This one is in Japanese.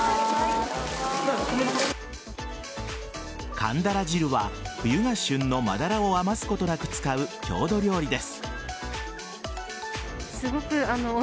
寒鱈汁は冬が旬のマダラを余すことなく使う郷土料理です。